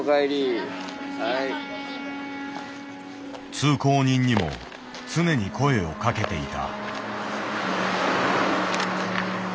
通行人にも常に声を掛けていた。